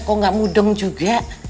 kok nggak mudeng juga